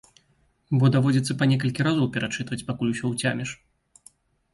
Бо даводзіцца па некалькі разоў перачытваць, пакуль усё ўцяміш.